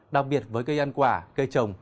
đặc biệt với cây ăn quả cây trồng